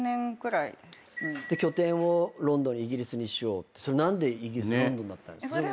拠点をロンドンイギリスにしようって何でイギリスロンドンだったんですか？